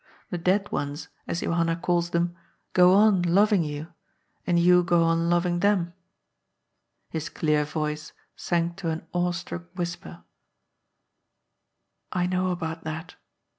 The dead ones, as Johanna calls them, go on loving you, and you go on loving them "— his clear voice sank to an awe struck whisper —" I know about that.